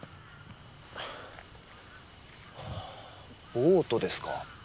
ボートですか。